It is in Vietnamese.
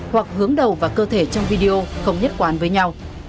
hoặc hướng đầu vào cơ thể trong video không nhất quán với nhau